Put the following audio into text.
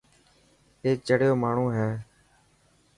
اي چريو ماڻهو هي.